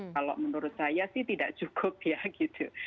kalau menurut saya sih tidak cukup ya gitu